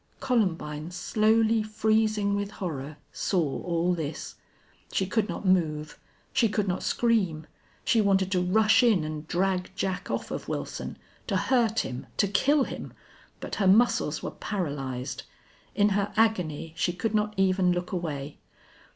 Columbine, slowly freezing with horror, saw all this. She could not move. She could not scream. She wanted to rush in and drag Jack off of Wilson, to hurt him, to kill him, but her muscles were paralyzed. In her agony she could not even look away.